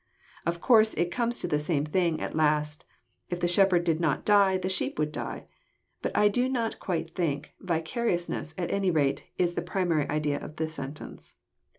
Of course it comes to the same thing at last: if the Shepherd did not die, the sheep would die. But I do not quite think " vicarious ness," at any rate, is the primary idea of the sentence.